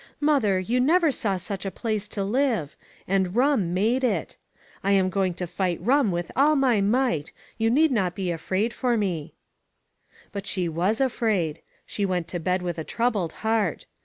Mother, you never saw such a place to live. And rum made it. I am going to fight rum with all my might. You need not be afraid for me." DISCIPLINE. 345 But she was afraid. She went to bed with a troubled heart.